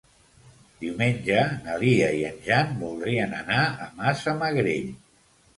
Diumenge na Lia i en Jan voldrien anar a Massamagrell.